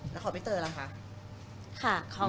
แล้วขอไมเตอร์ล่ะค่ะ